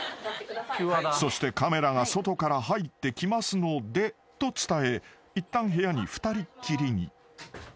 ［そしてカメラが外から入ってきますのでと伝えいったん部屋に二人っきりに］